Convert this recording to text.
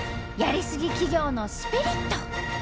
やりすぎ企業のスピリット。